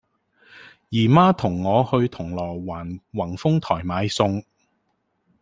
姨媽同我去銅鑼灣宏豐台買餸